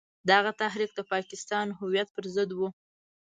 دغه تحریک د پاکستان هویت پر ضد وو.